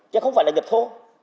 chứ không phải là nhập thô